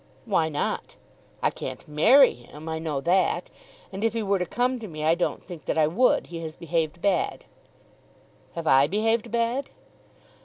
"Why not? I can't marry him. I know that. And if he were to come to me, I don't think that I would. He has behaved bad." "Have I behaved bad?"